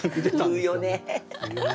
言うよね。